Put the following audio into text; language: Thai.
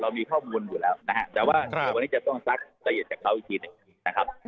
เรามีข้อมูลอยู่แล้วนะครับแต่ว่าวันนี้จะต้องซักตะเย็นจากเขาอีกทีนะครับ